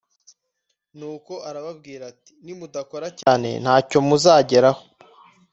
Nuko arababwira ati nimudakora cyane ntacyo muzageraho